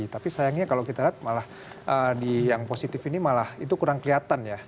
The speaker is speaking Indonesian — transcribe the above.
tapi sayangnya kalau kita lihat malah di yang positif ini malah itu kurang kelihatan ya